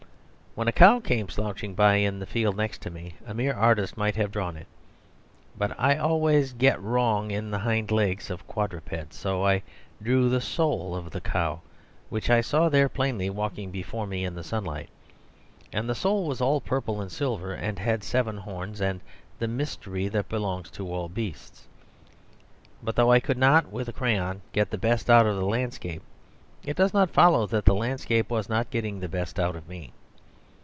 When a cow came slouching by in the field next to me, a mere artist might have drawn it; but I always get wrong in the hind legs of quadrupeds. So I drew the soul of the cow; which I saw there plainly walking before me in the sunlight; and the soul was all purple and silver, and had seven horns and the mystery that belongs to all the beasts. But though I could not with a crayon get the best out of the landscape, it does not follow that the landscape was not getting the best out of me.